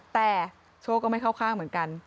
แต่โชคก็ไม่เข้าข้างเหมือนกัน